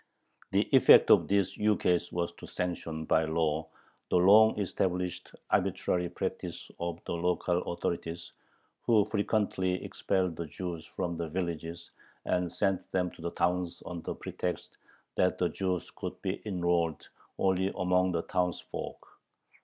The effect of this ukase was to sanction by law the long established arbitrary practice of the local authorities, who frequently expelled the Jews from the villages, and sent them to the towns under the pretext that Jews could be enrolled only among the townsfolk.